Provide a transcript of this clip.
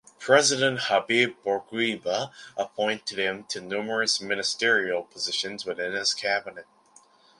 President Habib Bourguiba appointed him to numerous ministerial positions within his cabinet.